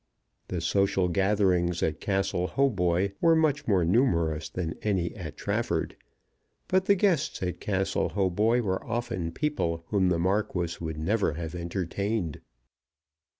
The social gatherings at Castle Hautboy were much more numerous than any at Trafford, but the guests at Castle Hautboy were often people whom the Marquis would never have entertained.